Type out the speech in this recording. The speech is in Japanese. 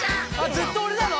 ずっとおれなの？